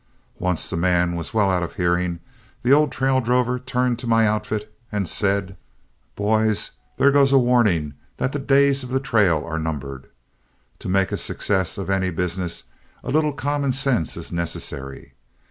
Once the man was well out of hearing, the old trail drover turned to my outfit and said: "Boys, there goes a warning that the days of the trail are numbered. To make a success of any business, a little common sense is necessary.